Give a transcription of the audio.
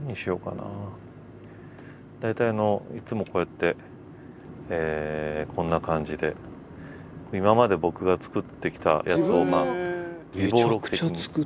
大体いつもこうやってこんな感じで今まで僕が作ってきたやつを備忘録的に。